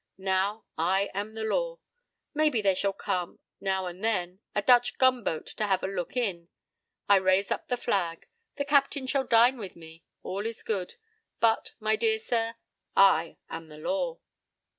Now I am the law. Maybe there shall come, now and then, a Dutch gunboat to have a look in. I raise up that flag. The captain shall dine with me. All is good. But, my dear sir, I am the law."